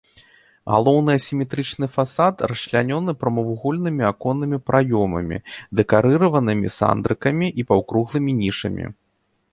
Галоўны асіметрычны фасад расчлянёны прамавугольнымі аконнымі праёмамі, дэкарыраванымі сандрыкамі і паўкруглымі нішамі.